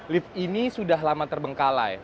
lift ini sudah lama terbengkalai